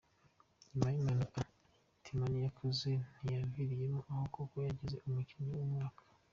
Nyuma y’impanuka Timamu yakoze ntiyaviriyemo aho kuko yagizwe umukinnyi w’umwaka.